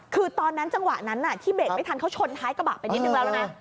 คือตอนนั้นจังหวะนั้นที่เบรกไม่ทันเขาชนท้ายกระบะไปนิดนึงแล้วแล้วนะ